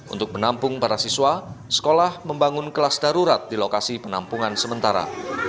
untuk menampung para siswa sekolah membangun kelas darurat di lokasi penampungan sementara